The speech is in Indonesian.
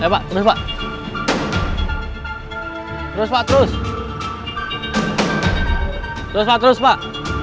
hai saya pak berubah terus terus terus terus pak